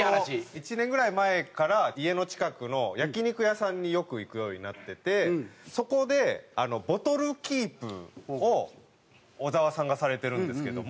１年ぐらい前から家の近くの焼き肉屋さんによく行くようになっててそこでボトルキープを小沢さんがされてるんですけども。